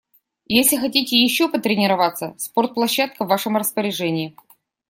Если хотите ещё потренироваться, спортплощадка в вашем распоряжении.